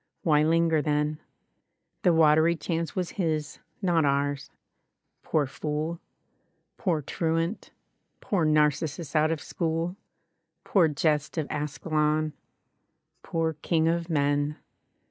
Why linger, then ? The watery chance was his, not ours. Poor fooll Poor truant, poor Narcissus out of school; Poor jest of Askelon; poor king of men.